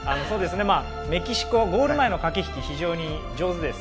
メキシコはゴール前の駆け引きが非常に上手です。